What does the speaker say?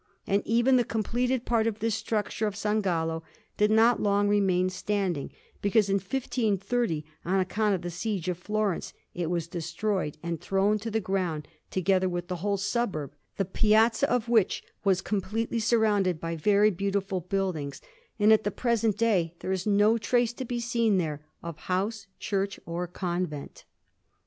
And even the completed part of this structure of S. Gallo did not long remain standing, because in 1530, on account of the siege of Florence, it was destroyed and thrown to the ground, together with the whole suburb, the piazza of which was completely surrounded by very beautiful buildings; and at the present day there is no trace to be seen there of house, church, or convent.